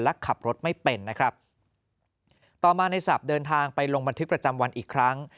และขับรถไม่เป็นนะครับต่อมาในศัพท์เดินทางไปลงบันทึกประจำวันอีกครั้ง